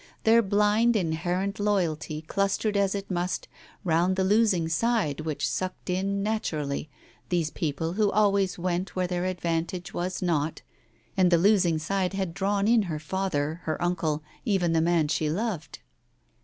Their blind inherent loyalty clustered as it must, round the losing side which sucked in, naturally, these people who always went where their advantage was not — and the losing side had drawn in her father, her uncle, even the man she loved.